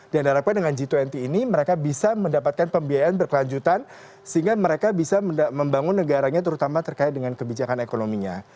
dan harapkan dengan g dua puluh ini mereka bisa mendapatkan pembiayaan berkelanjutan sehingga mereka bisa membangun negaranya terutama terkait dengan kebijakan ekonominya